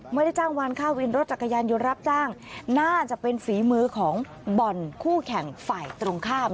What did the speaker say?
ไม่ได้จ้างวานค่าวินรถจักรยานยนต์รับจ้างน่าจะเป็นฝีมือของบ่อนคู่แข่งฝ่ายตรงข้าม